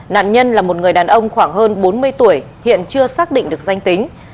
nạn nhân là một người đàn ông khoảng hơn bốn mươi tuổi hiện chưa xác định được danh tính